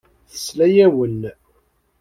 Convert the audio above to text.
Tesla-awen.